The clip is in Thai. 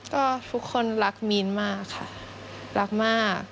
ก็ทุกคนรักมีนมากค่ะรักมาก